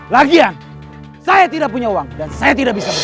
lagian saya tidak punya uang dan saya tidak bisa